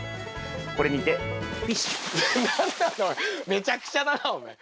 めちゃくちゃだなお前。